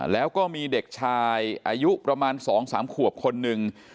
แล้วก็มีเด็กชายอายุประมาณ๒๓ขวบคนหนึ่ง